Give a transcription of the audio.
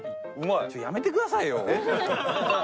ちょやめてくださいよ。